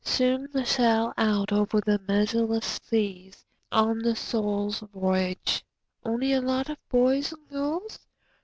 Soon to sail out over the measureless seas, On the Soul's voyage. Only a lot of boys and girls?